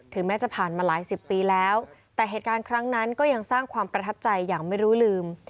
แม้จะผ่านมาหลายสิบปีแล้วแต่เหตุการณ์ครั้งนั้นก็ยังสร้างความประทับใจอย่างไม่รู้ลืม